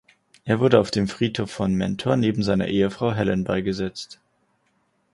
Er wurde auf dem Friedhof von Mentor neben seiner Ehefrau Helen beigesetzt.